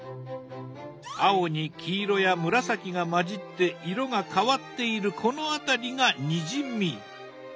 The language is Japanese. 青に黄色や紫が混じって色が変わっているこの辺りが「にじみ」。